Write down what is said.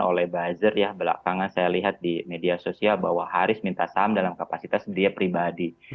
oleh buzzer ya belakangan saya lihat di media sosial bahwa haris minta saham dalam kapasitas dia pribadi